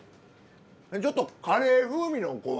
ちょっとカレー風味のおこわ？